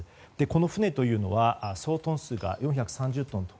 この船というのは総トン数が４３０トン。